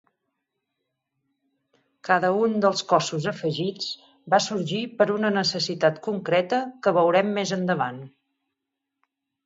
Cada un dels cossos afegits va sorgir per una necessitat concreta que veurem més endavant.